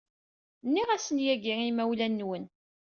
Nniɣ-asen yagi i yimawlan-nwen.